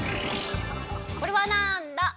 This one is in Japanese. これはなんだ？